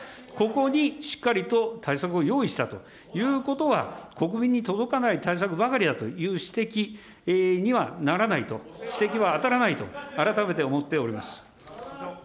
ここにしっかりと対策を用意したということは、国民に届かない対策ばかりだという指摘にはならないと、指摘は当たらないと、改めて思っております。